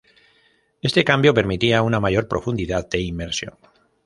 Este cambio permitía una mayor profundidad de inmersión.